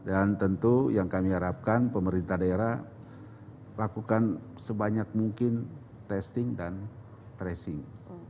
dan tentu yang kami harapkan pemerintah daerah lakukan sebanyak mungkin testing dan tracing